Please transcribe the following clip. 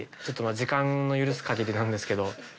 時間の許す限りなんですけど。